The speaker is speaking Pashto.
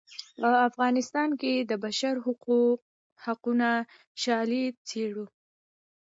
په افغانستان کې د بشر حقونو شالید څیړو.